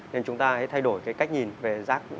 nên chúng ta hãy thay đổi cái cách nhìn về rác